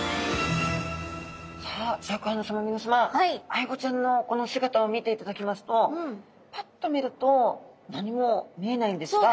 アイゴちゃんのこの姿を見ていただきますとパッと見ると何も見えないんですが。